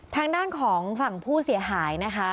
ทางด้านของฝั่งผู้เสียหายนะคะ